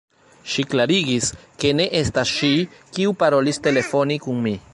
Ŝi klarigis, ke ne estas ŝi, kiu parolis telefone kun mi.